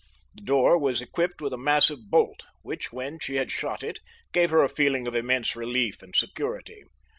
This door was equipped with a massive bolt, which, when she had shot it, gave her a feeling of immense relief and security.